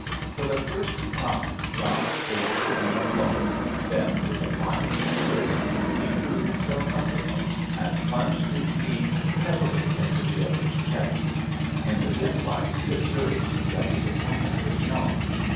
For the first time John was able to aim a blow, then, with a violent twist, he drew himself uppermost, and plunged his knee heavily into the other's chest. In the dim light he observed that his opponent was young.